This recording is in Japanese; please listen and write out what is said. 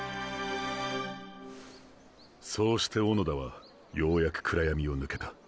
そうして小野田はようやく暗闇を抜けた。